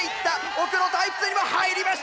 奥のタイプ２にも入りました！